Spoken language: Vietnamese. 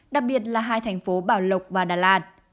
đặc biệt là hai thành phố bảo lộc và đà lạt